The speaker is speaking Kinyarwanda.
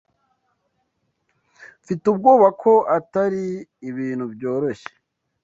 Mfite ubwoba ko atari ibintu byoroshye.